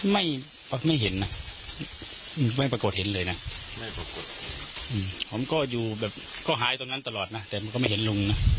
ไม่ไม่เห็นนะไม่ปรากฏเห็นเลยนะไม่ปรากฏผมก็อยู่แบบก็หายตรงนั้นตลอดนะแต่มันก็ไม่เห็นลุงนะ